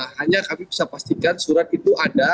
hanya kami bisa pastikan surat itu ada